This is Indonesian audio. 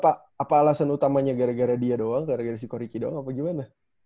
nah tuh apa alasan utamanya gara gara dia doang gara gara si koriki doang apa gimana